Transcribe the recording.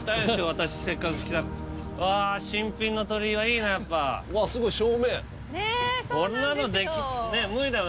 私せっかく来たああ新品の鳥居はいいなやっぱうわあすごい正面ねえそうなんですよ